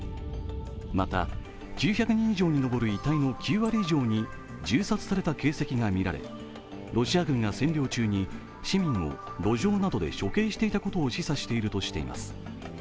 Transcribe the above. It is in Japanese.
また、９００人以上に上る遺体の９割以上に銃殺された形跡が見られロシア軍が占領中に市民を路上などで処刑していたことを示唆しているとしています。